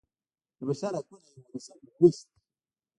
د بشر حقونه یوولسم لوست دی.